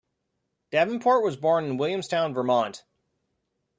Davenport was born in Williamstown, Vermont.